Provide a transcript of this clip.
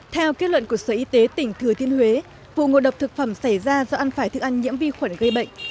theo kết luận của sở y tế tỉnh thừa thiên huế vụ ngộ độc thực phẩm xảy ra do ăn phải thức ăn nhiễm vi khuẩn gây bệnh